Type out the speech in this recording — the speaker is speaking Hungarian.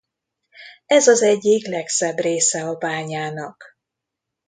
Ez az egyik legszebb része a bányának.